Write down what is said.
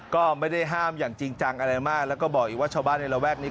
ก็ไม่ได้ห้ามอย่างจริงจังอะไรมากแล้วก็บอกอีกว่าชาวบ้านในระแวกนี้